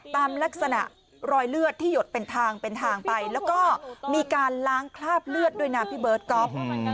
ตามลักษณะรอยเลือดที่หยดเป็นทางเป็นทางไปแล้วก็มีการล้างคราบเลือดด้วยนะพี่เบิร์ตก๊อฟ